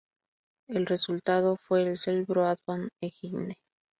El resultado fue el Cell Broadband Engine.